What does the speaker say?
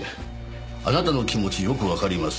「あなたの気持ちよくわかります」